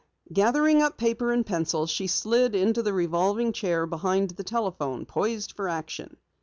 Gathering up paper and pencil, she slid into the revolving chair behind the telephone, poised for action.